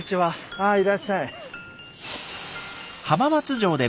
ああいらっしゃい。